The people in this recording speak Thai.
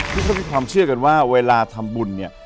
ที่เขามีความเชื่อกันว่าเวลาทำบุญเนี่ย